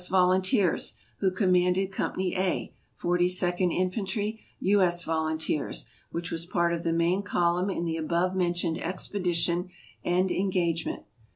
Volunteers, who commanded Company A, Forty second Infantry, U. S. Yolimteers, which was part of the main column in the above mentioned expedition and engagement.